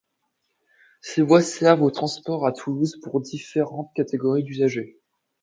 Ces voies servent aux Transports à Toulouse pour différentes catégories d'usagers.